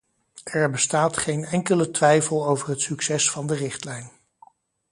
Er bestaat geen enkele twijfel over het succes van de richtlijn.